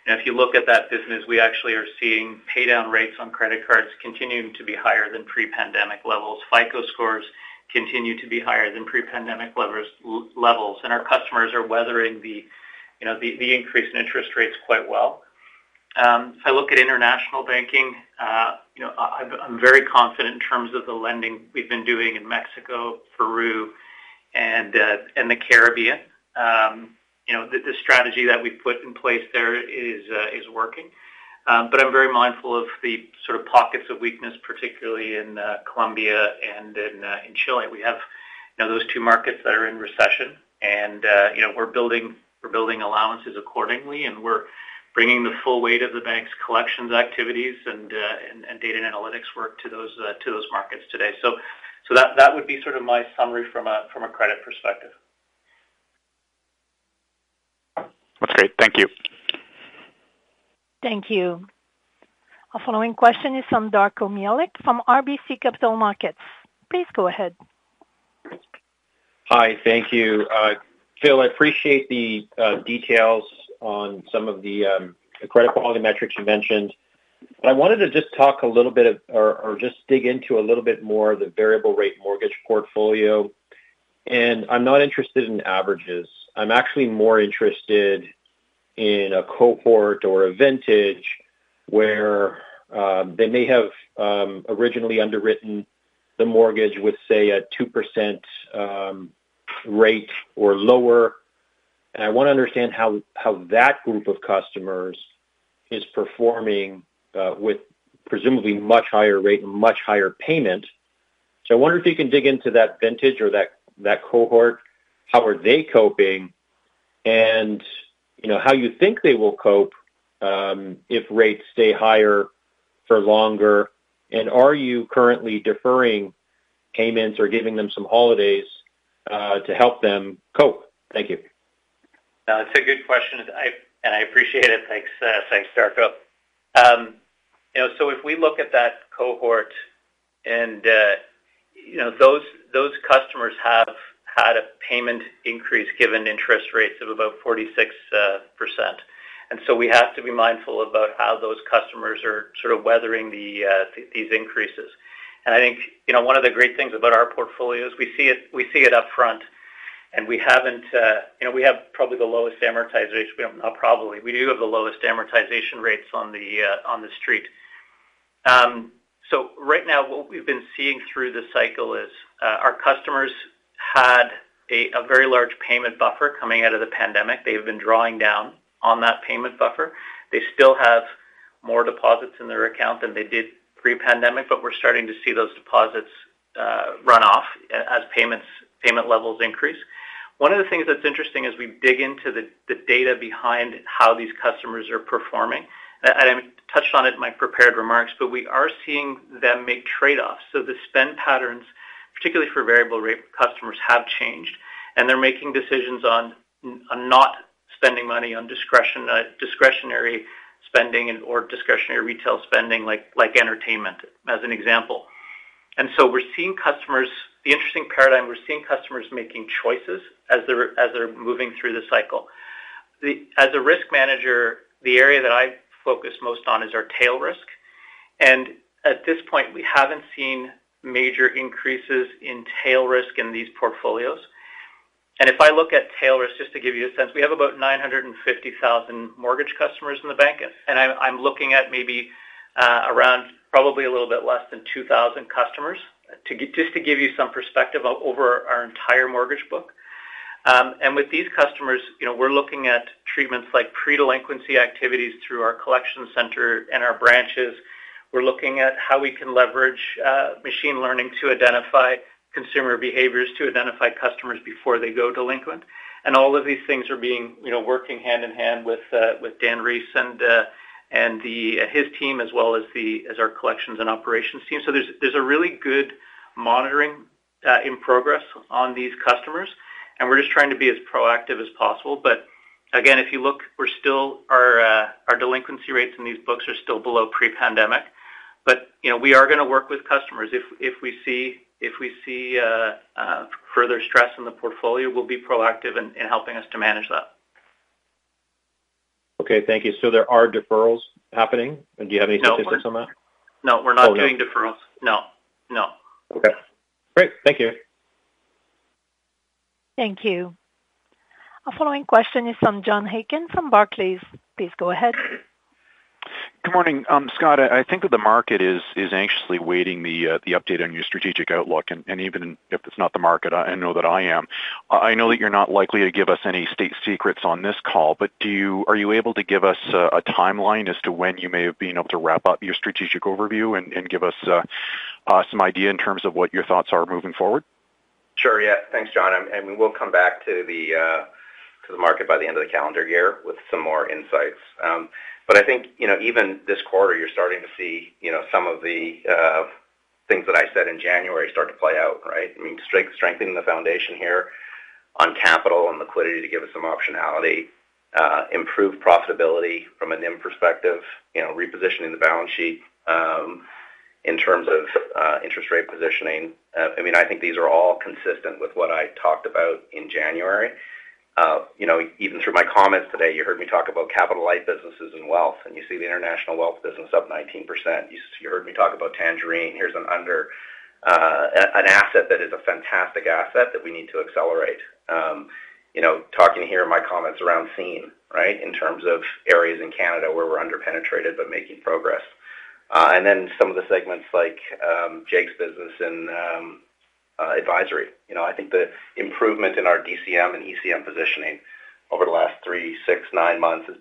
know, if you look at that business, we actually are seeing pay down rates on credit cards continuing to be higher than pre-pandemic levels. FICO scores continue to be higher than pre-pandemic levels. Our customers are weathering the, you know, the increase in interest rates quite well. If I look at International Banking, I'm very confident in terms of the lending we've been doing in Mexico, Peru, and the Caribbean. You know, the strategy that we put in place there is working. I'm very mindful of the sort of pockets of weakness, particularly in Colombia and in Chile. We have, you know, those two markets that are in recession, you know, we're building allowances accordingly, and we're bringing the full weight of the bank's collections activities and data and analytics work to those markets today. That would be sort of my summary from a credit perspective. That's great. Thank you. Thank you. Our following question is from Darko Mihelic from RBC Capital Markets. Please go ahead. Hi. Thank you. Phil, I appreciate the details on some of the credit quality metrics you mentioned. I wanted to just talk a little bit or just dig into a little bit more the variable rate mortgage portfolio. I'm not interested in averages. I'm actually more interested in a cohort or a vintage where they may have originally underwritten the mortgage with, say, a 2% rate or lower. I wanna understand how that group of customers is performing with presumably much higher rate and much higher payment. I wonder if you can dig into that vintage or that cohort, how are they coping, and, you know, how you think they will cope if rates stay higher for longer? Are you currently deferring payments or giving them some holidays to help them cope? Thank you. It's a good question, and I, and I appreciate it. Thanks, thanks, Darko. You know, if we look at that cohort and you know, those customers have had a payment increase given interest rates of about 46%. We have to be mindful about how those customers are sort of weathering these increases. I think, you know, one of the great things about our portfolio is we see it, we see it upfront, and we haven't, you know, we have probably the lowest amortization. We don't... Not probably. We do have the lowest amortization rates on the street. Right now what we've been seeing through this cycle is our customers had a very large payment buffer coming out of the pandemic. They have been drawing down on that payment buffer. They still have more deposits in their account than they did pre-pandemic, but we're starting to see those deposits run off as payments, payment levels increase. One of the things that's interesting as we dig into the data behind how these customers are performing, and I touched on it in my prepared remarks, but we are seeing them make trade-offs. The spend patterns, particularly for variable rate customers, have changed. They're making decisions on not spending money on discretionary spending and/or discretionary retail spending like entertainment as an example. The interesting paradigm, we're seeing customers making choices as they're moving through this cycle. As a risk manager, the area that I focus most on is our tail risk. At this point, we haven't seen major increases in tail risk in these portfolios. If I look at tail risk, just to give you a sense, we have about 950,000 mortgage customers in the bank, I'm looking at maybe around probably a little bit less than 2,000 customers just to give you some perspective over our entire mortgage book. With these customers, you know, we're looking at treatments like pre-delinquency activities through our collection center and our branches. We're looking at how we can leverage machine learning to identify consumer behaviors, to identify customers before they go delinquent. All of these things are being, you know, working hand in hand with Dan Rees and his team as well as our collections and operations team. There's a really good monitoring in progress on these customers, and we're just trying to be as proactive as possible. Again, if you look, we're still our delinquency rates in these books are still below pre-pandemic. You know, we are gonna work with customers. If we see further stress in the portfolio, we'll be proactive in helping us to manage that. Okay. Thank you. There are deferrals happening? Do you have any statistics on that? No, we're not doing deferrals. No. No. Okay. Great. Thank you. Thank you. Our following question is from John Aiken from Barclays. Please go ahead. Good morning. Scott, I think that the market is anxiously awaiting the update on your strategic outlook. Even if it's not the market, I know that I am. I know that you're not likely to give us any state secrets on this call, but are you able to give us a timeline as to when you may have been able to wrap up your strategic overview and give us some idea in terms of what your thoughts are moving forward? Sure, yeah. Thanks, John. We'll come back to the market by the end of the calendar year with some more insights. I think, you know, even this quarter, you're starting to see, you know, some of the things that I said in January start to play out, right? I mean, strengthening the foundation here on capital and liquidity to give us some optionality, improve profitability from an in perspective, you know, repositioning the balance sheet in terms of interest rate positioning. I mean, I think these are all consistent with what I talked about in January. You know, even through my comments today, you heard me talk about capital light businesses and wealth, and you see the international wealth business up 19%. You heard me talk about Tangerine. Here's an under An asset that is a fantastic asset that we need to accelerate. You know, talking here in my comments around Scene+, right? In terms of areas in Canada where we're under-penetrated but making progress. And then some of the segments like Jake's business and advisory. You know, I think the improvement in our DCM and ECM positioning over the last three, six, nine months has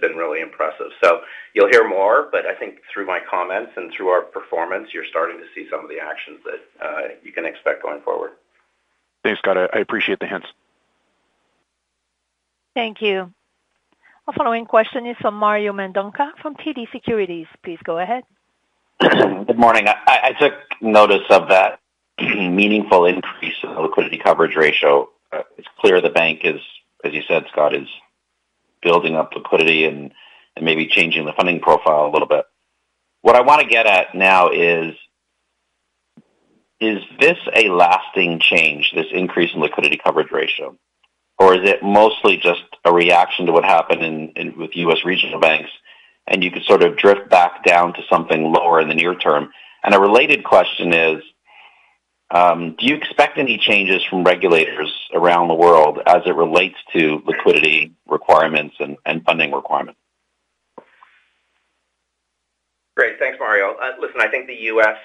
been really impressive. You'll hear more, but I think through my comments and through our performance, you're starting to see some of the actions that you can expect going forward. Thanks, Scott. I appreciate the hints. Thank you. Our following question is from Mario Mendonca from TD Securities. Please go ahead. Good morning. I took notice of that meaningful increase in the liquidity coverage ratio. It's clear the bank is, as you said, Scott, is building up liquidity and maybe changing the funding profile a little bit. What I want to get at now is this a lasting change, this increase in liquidity coverage ratio? Or is it mostly just a reaction to what happened with U.S. regional banks, and you could sort of drift back down to something lower in the near term? A related question is, do you expect any changes from regulators around the world as it relates to liquidity requirements and funding requirements? Great. Thanks, Mario. listen, I think the U.S.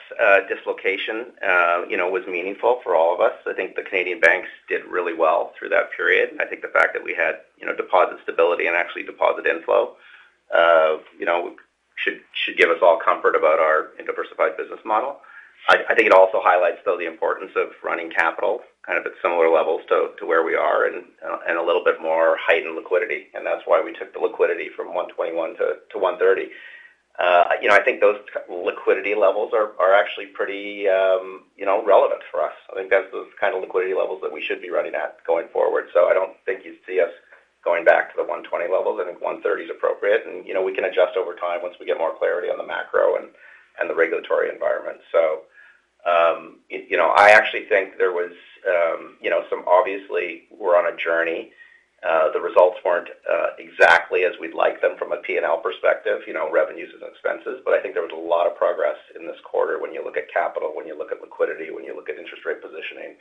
dislocation, you know, was meaningful for all of us. I think the Canadian banks did really well through that period. I think the fact that we had, you know, deposit stability and actually deposit inflow, you know, should give us all comfort about our diversified business model. I think it also highlights, though, the importance of running capital kind of at similar levels to where we are and a little bit more heightened liquidity, and that's why we took the liquidity from 121% to 130%. you know, I think those liquidity levels are actually pretty, you know, relevant for us. I think that's those kind of liquidity levels that we should be running at going forward. I don't think you'd see us going back to the 120% levels. I think 130% is appropriate. You know, we can adjust over time once we get more clarity on the macro and the regulatory environment. You know, I actually think there was, you know, some obviously were on a journey. The results weren't exactly as we'd like them from a P&L perspective, you know, revenues and expenses. I think there was a lot of progress in this quarter when you look at capital, when you look at liquidity, when you look at interest rate positioning,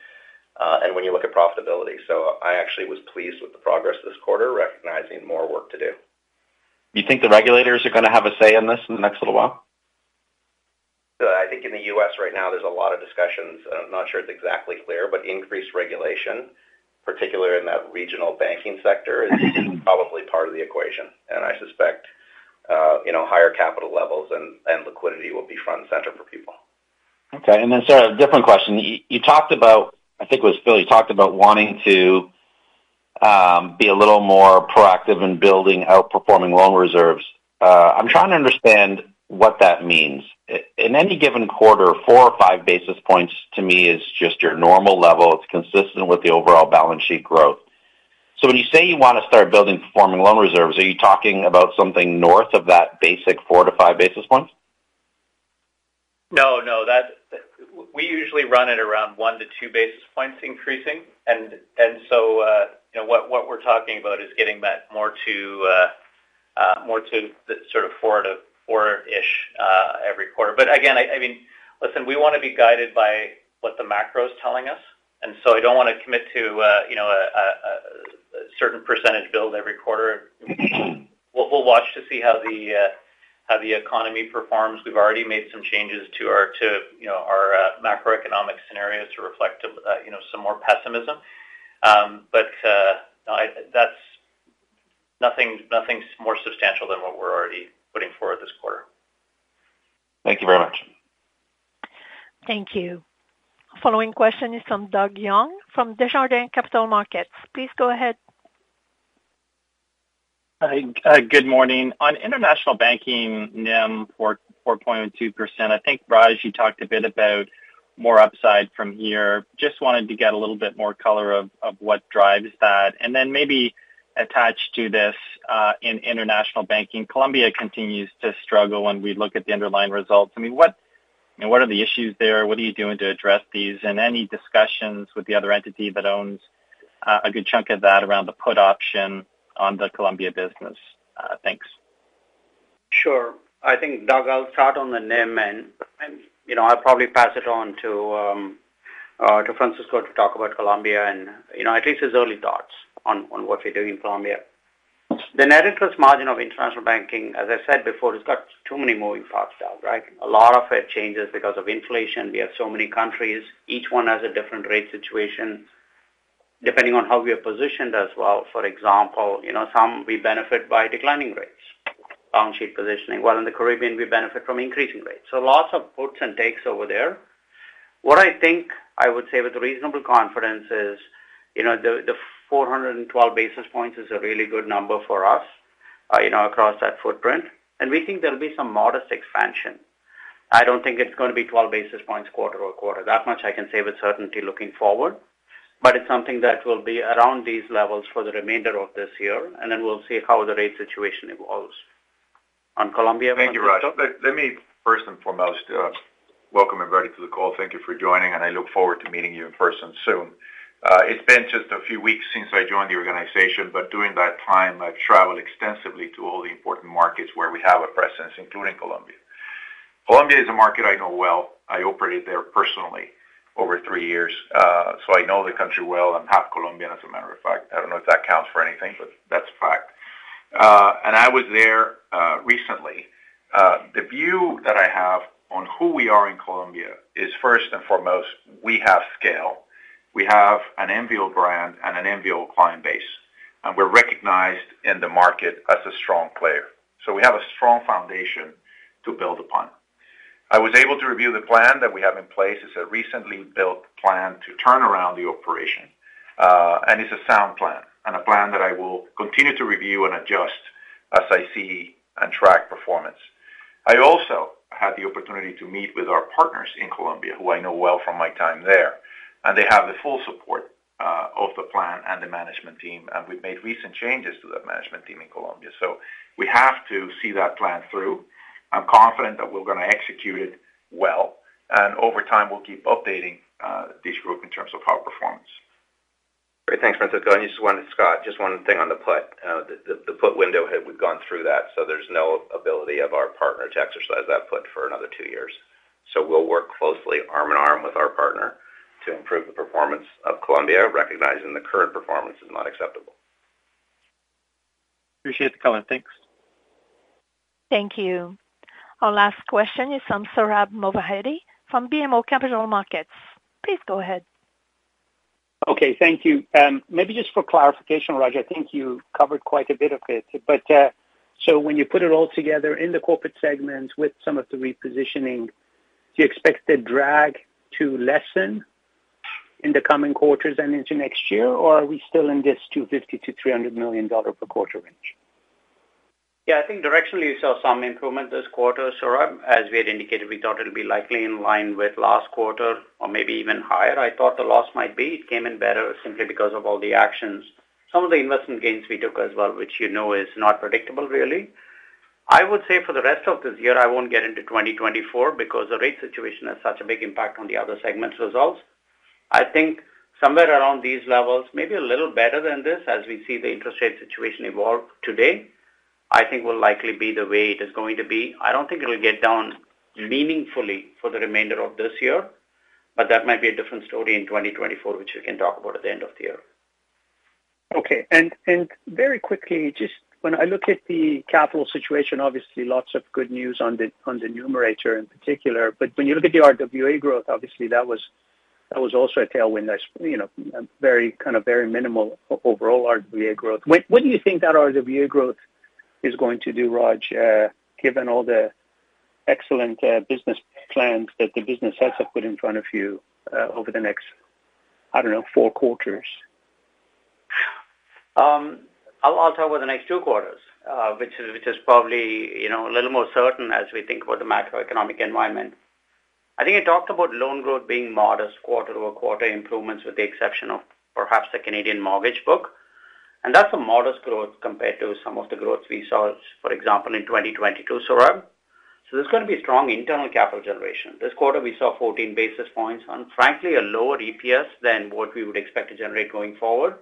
and when you look at profitability. I actually was pleased with the progress this quarter, recognizing more work to do. You think the regulators are gonna have a say in this in the next little while? I think in the U.S. right now, there's a lot of discussions. I'm not sure it's exactly clear, but increased regulation, particularly in that regional banking sector, is probably part of the equation. I suspect, you know, higher capital levels and liquidity will be front and center for people. Okay. sir, a different question. You talked about, I think it was Phil, you talked about wanting to be a little more proactive in building outperforming loan reserves. I'm trying to understand what that means. In any given quarter, 4 or 5 basis points to me is just your normal level. It's consistent with the overall balance sheet growth. When you say you want to start building performing loan reserves, are you talking about something north of that basic 4 to 5 basis points? No, no. We usually run at around 1-2 basis points increasing. you know, what we're talking about is getting that more to more to the sort of 4 to 4-ish basis points every quarter. I mean, listen, we want to be guided by what the macro is telling us, and so I don't want to commit to, you know, a certain percentage build every quarter. We'll watch to see how the economy performs. We've already made some changes to our, you know, our macroeconomic scenario to reflect, you know, some more pessimism. that's nothing's more substantial than what we're already putting forward this quarter. Thank you very much. Thank you. Following question is from Doug Young from Desjardins Capital Markets. Please go ahead. Hi. Good morning. On International Banking NIM four, 4.2%, I think, Raj, you talked a bit about more upside from here. Just wanted to get a little bit more color of what drives that. Then maybe attached to this, in International Banking, Colombia continues to struggle when we look at the underlying results. I mean, what, you know, what are the issues there? What are you doing to address these? Any discussions with the other entity that owns a good chunk of that around the put option on the Colombia business? Thanks. Sure. I think, Doug, I'll start on the NIM and, you know, I'll probably pass it on to Francisco to talk about Colombia and, you know, at least his early thoughts on what we do in Colombia. The net interest margin of International Banking, as I said before, has got too many moving parts out, right? A lot of it changes because of inflation. We have so many countries. Each one has a different rate situation, depending on how we are positioned as well. For example, you know, some we benefit by declining rates, balance sheet positioning. While in the Caribbean, we benefit from increasing rates. Lots of puts and takes over there. What I think I would say with reasonable confidence is, you know, the 412 basis points is a really good number for us, you know, across that footprint, and we think there'll be some modest expansion. I don't think it's going to be 12 basis points quarter-over-quarter. That much I can say with certainty looking forward. It's something that will be around these levels for the remainder of this year, and then we'll see how the rate situation evolves. On Colombia- Thank you, Raj. Let me first and foremost, welcome everybody to the call. Thank you for joining. I look forward to meeting you in person soon. It's been just a few weeks since I joined the organization, but during that time I've traveled extensively to all the important markets where we have a presence, including Colombia. Colombia is a market I know well. I operated there personally over three years, so I know the country well. I'm half Colombian, as a matter of fact. I don't know if that counts for anything, but that's a fact. I was there recently. The view that I have on who we are in Colombia is, first and foremost, we have scale. We have an enviable brand and an enviable client base, and we're recognized in the market as a strong player. We have a strong foundation to build upon. I was able to review the plan that we have in place. It's a recently built plan to turn around the operation, and it's a sound plan and a plan that I will continue to review and adjust as I see and track performance. I also had the opportunity to meet with our partners in Colombia, who I know well from my time there, and they have the full support of the plan and the management team, and we've made recent changes to that management team in Colombia. We have to see that plan through. I'm confident that we're gonna execute it well, and over time we'll keep updating this group in terms of our performance. Great. Thanks, Francisco. Scott, just one thing on the put. The put window, had we gone through that so there's no ability of our partner to exercise that put for another two years. We'll work closely arm in arm with our partner to improve the performance of Colombia, recognizing the current performance is not acceptable. Appreciate the comment. Thanks. Thank you. Our last question is from Sohrab Movahedi from BMO Capital Markets. Please go ahead. Okay, thank you. Maybe just for clarification, Raj, I think you covered quite a bit of it, but when you put it all together in the corporate segment with some of the repositioning, do you expect the drag to lessen in the coming quarters and into next year, or are we still in this 250 million-300 million dollar per quarter range? Yeah, I think directionally you saw some improvement this quarter, Sohrab. As we had indicated, we thought it'll be likely in line with last quarter or maybe even higher I thought the loss might be. It came in better simply because of all the actions. Some of the investment gains we took as well, which you know is not predictable really. I would say for the rest of this year, I won't get into 2024 because the rate situation has such a big impact on the other segments' results. I think somewhere around these levels, maybe a little better than this as we see the interest rate situation evolve today, I think will likely be the way it is going to be. I don't think it'll get down meaningfully for the remainder of this year, but that might be a different story in 2024, which we can talk about at the end of the year. Okay. Very quickly, just when I look at the capital situation, obviously lots of good news on the, on the numerator in particular, but when you look at the RWA growth, obviously that was also a tailwind that's, you know, very kind of very minimal overall RWA growth. What do you think that RWA growth is going to do, Raj, given all the excellent business plans that the business heads have put in front of you, over the next, I don't know, four quarters? I'll talk about the next two quarters, which is probably, you know, a little more certain as we think about the macroeconomic environment. I think I talked about loan growth being modest quarter-over-quarter improvements with the exception of perhaps the Canadian mortgage book, and that's a modest growth compared to some of the growth we saw, for example, in 2022, Sohrab. There's gonna be strong internal capital generation. This quarter we saw 14 basis points on frankly a lower EPS than what we would expect to generate going forward.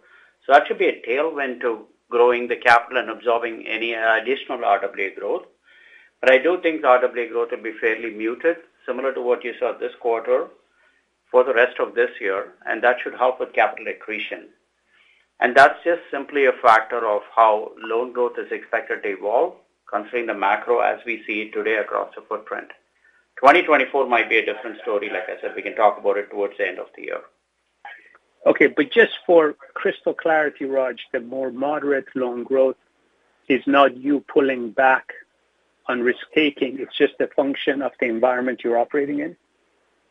That should be a tailwind to growing the capital and absorbing any additional RWA growth. I do think the RWA growth will be fairly muted similar to what you saw this quarter for the rest of this year, and that should help with capital accretion. That's just simply a factor of how loan growth is expected to evolve considering the macro as we see it today across the footprint. 2024 might be a different story. Like I said, we can talk about it towards the end of the year. Just for crystal clarity, Raj, the more moderate loan growth is not you pulling back on risk-taking. It's just a function of the environment you're operating in?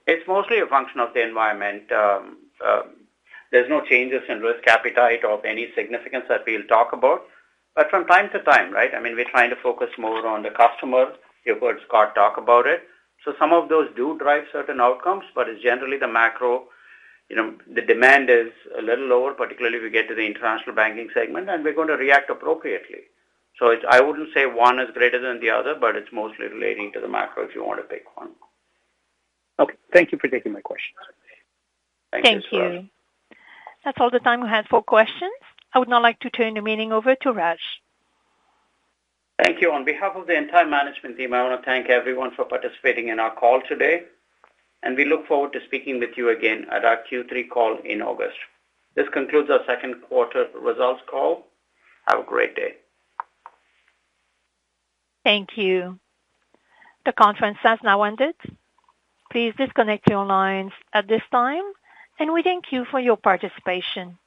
It's mostly a function of the environment. There's no changes in risk appetite of any significance that we'll talk about. From time to time, right, I mean, we're trying to focus more on the customer. You've heard Scott talk about it. Some of those do drive certain outcomes, but it's generally the macro. You know, the demand is a little lower, particularly if we get to the International Banking segment, and we're going to react appropriately. I wouldn't say one is greater than the other, but it's mostly relating to the macro if you want to pick one. Okay. Thank you for taking my question. Thank you, Sohrab. Thank you. That's all the time we have for questions. I would now like to turn the meeting over to Raj. Thank you. On behalf of the entire management team, I want to thank everyone for participating in our call today, and we look forward to speaking with you again at our Q3 call in August. This concludes our second quarter results call. Have a great day. Thank you. The conference has now ended. Please disconnect your lines at this time, and we thank you for your participation.